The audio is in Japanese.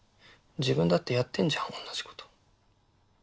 自分だってやってんじゃんおんなじこと。